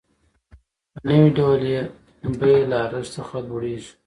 په نوي ډول یې بیه له ارزښت څخه لوړېږي